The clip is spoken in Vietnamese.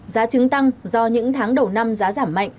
giá trứng tăng do những tháng đầu năm giá giảm mạnh